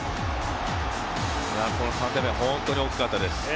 この３点目は本当に大きかったです。